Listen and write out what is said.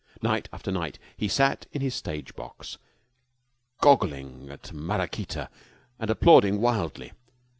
Night after night he sat in his stage box, goggling at Maraquita and applauding wildly.